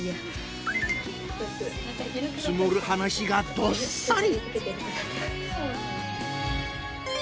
積もる話がどっさり！